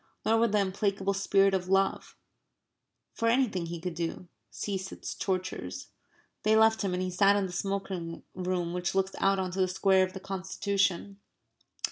Nor would the implacable spirit of love, for anything he could do, cease its tortures. They left him and he sat in the smoking room, which looks out on to the Square of the Constitution.